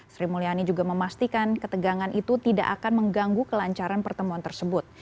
sri mulyani juga memastikan ketegangan itu tidak akan mengganggu kelancaran pertemuan tersebut